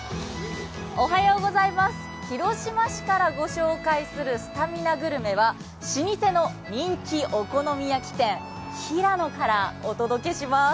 広島市から御紹介するスタミナグルメは老舗の人気お好み焼き店ひらのからお届けします。